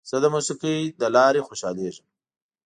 زه د موسیقۍ له لارې خوشحالېږم.